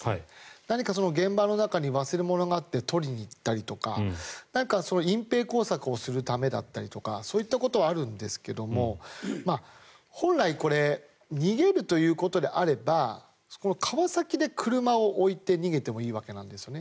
何か現場の中に忘れ物があって取りに行ったりとか隠ぺい工作をするためだったりとかそういったことはあるんですが本来、逃げるということであれば川崎で車を置いて逃げてもいいわけなんですよね。